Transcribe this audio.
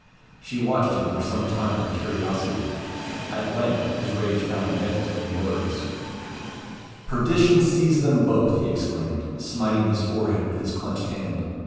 She watched him for some time with curiosity. At length his rage found vent in words. "Perdition seize them both!" he exclaimed, smiting his forehead with his clenched hand.